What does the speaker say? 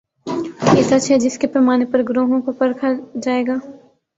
یہ سچ ہے جس کے پیمانے پر گروہوں کو پرکھا جائے گا۔